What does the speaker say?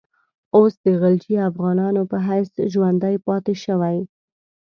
اوس د غلجي افغانانو په حیث ژوندی پاته شوی.